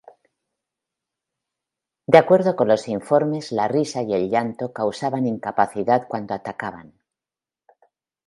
De acuerdo con los informes, la risa y el llanto causaban incapacidad cuando atacaban.